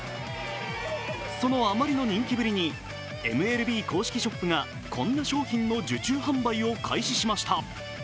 その、あまりの人気ぶりにＭＬＢ公式ショップがこんな商品の受注販売を開始しました。